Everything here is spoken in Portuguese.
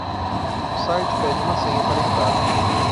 O site pede uma senha pra entrar.